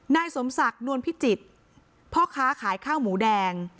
นายสมศักดิ์นวลพิจิตรพ่อค้าขายข้าวหมูแดง